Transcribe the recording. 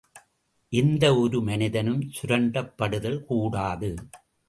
எந்த ஒரு மனிதனும் சுரண்டப் படுதல் கூடாது.